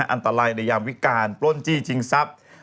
อันตรายในยามวิการปล้นจี้ชิงทรัพย์